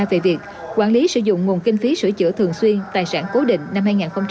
về việc quản lý sử dụng nguồn kinh phí sửa chữa thường xuyên tài sản cố định năm hai nghìn một mươi tám